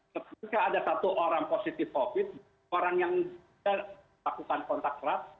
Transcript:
ketika ada satu orang positif covid orang yang lakukan kontak erat